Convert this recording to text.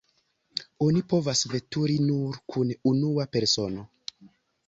Oni povas veturi nur kun unua persono.